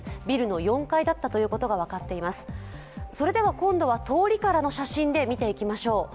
今度は通りからの写真で見ていきましょう。